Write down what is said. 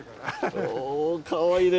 おお、かわいいね。